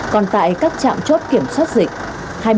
còn tại các trạm chốt kiểm soát dịch